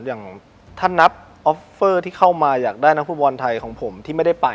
อย่างถ้านับออฟเฟอร์ที่เข้ามาอยากได้นักฟุตบอลไทยของผมที่ไม่ได้ไป